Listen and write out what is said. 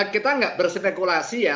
kita nggak berspekulasi ya